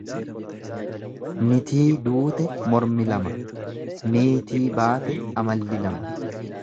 Nitii duute mormi lama niitii baate amalli lama.